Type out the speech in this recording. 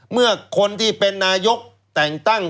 เมื่อคนที่เป็นนายกแต่งตั้ง